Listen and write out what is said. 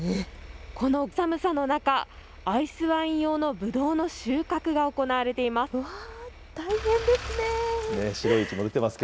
この寒さの中、アイスワイン用のぶどうの収穫が行われています。